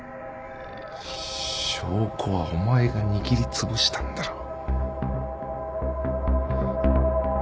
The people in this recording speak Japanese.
証拠はお前が握りつぶしたんだろ。